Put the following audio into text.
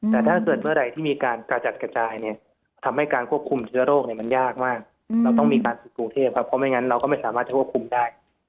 แต่ถ้าเกิดเมื่อไหร่ที่มีการกระจัดกระจายเนี่ยทำให้การควบคุมเชื้อโรคมันยากมากเราต้องมีการฝึกกรุงเทพครับเพราะไม่งั้นเราก็ไม่สามารถจะควบคุมได้